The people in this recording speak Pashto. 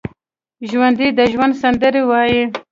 ژوندي د ژوند سندرې وايي